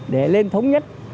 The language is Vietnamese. để lên thống nhất